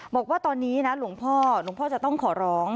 บอกว่าตอนนี้หลวงพ่อจะต้องขอร้อง